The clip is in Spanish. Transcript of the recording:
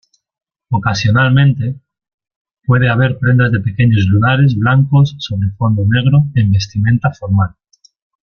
Ocasionalmente, puede haber prendas de pequeños lunares blancos sobre fondo negro en vestimenta formal.